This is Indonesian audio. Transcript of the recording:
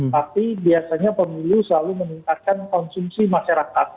tapi biasanya pemilu selalu meningkatkan konsumsi masyarakat